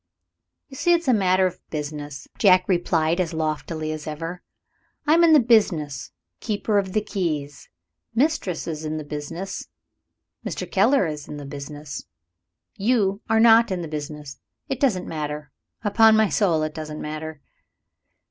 "You see it's a matter of business," Jack replied as loftily as ever. "I am in the business Keeper of the Keys. Mistress is in the business; Mr. Keller is in the business. You are not in the business. It doesn't matter. Upon my soul, it doesn't matter."